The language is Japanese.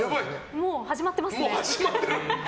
もう始まってます？